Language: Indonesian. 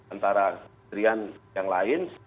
antara keterian yang lain